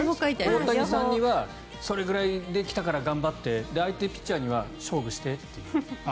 大谷さんにはそれぐらいで来たから頑張って相手ピッチャーには勝負してっていう。